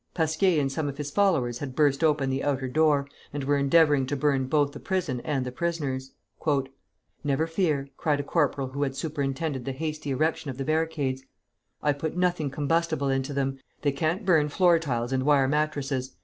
Pasquier and some of his followers had burst open the outer door, and were endeavoring to burn both the prison and the prisoners. "Never fear," cried a corporal who had superintended the hasty erection of the barricades; "I put nothing combustible into them. They can't burn floor tiles and wire mattresses.